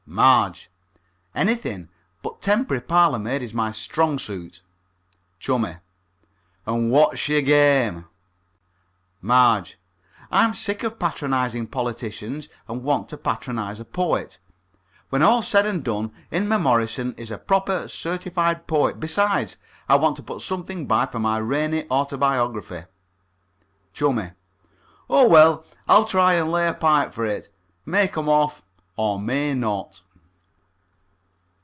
MARGE: Anything but temporary parlour maid is my strong suit. CHUMMIE: And what's your game? MARGE: I'm sick of patronizing politicians and want to patronize a poet. When all's said and done, Inmemorison is a proper certificated poet. Besides, I want to put something by for my rainy autobiography. CHUMMIE: Oh, well. I'll try and lay a pipe for it. May come off or may not.